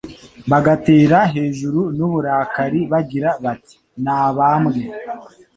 bagatera hejuru n'uburakari bagira bati : "nabambwe,"